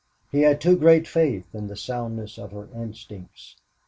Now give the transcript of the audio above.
He had too great faith in the soundness of her instincts.